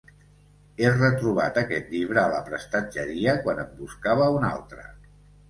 He retrobat aquest llibre a la prestatgeria quan en buscava un altre.